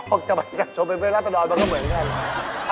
ออกจากแต่ชนไปเป็นราชดรมันก็เหมือนกัน